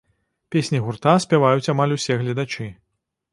Песні гурта спяваюць амаль усе гледачы.